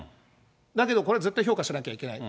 だけどこれ絶対評価しなきゃいけない。